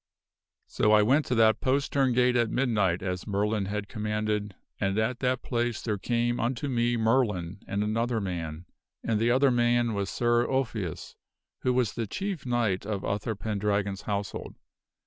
" So I went to that postern gate at midnight as Merlin had commanded, and at that place there came unto me Merlin and another man, and the other man was Sir Ulfius, who was the chief knight of Uther Pendrag on's household.